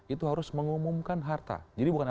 itu harus mengumumkan harta jadi bukan